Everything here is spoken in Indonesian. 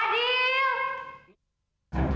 jangan doj sering